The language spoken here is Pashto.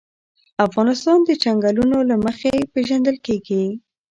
افغانستان د چنګلونه له مخې پېژندل کېږي.